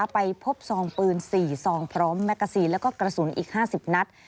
ไปพบซองปืน๔ซองพร้อมแมกกาซีนแล้วก็กระสุนอีก๕๐นัด